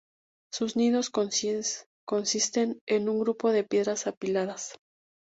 Sus nidos consisten en un grupo de piedras apiladas.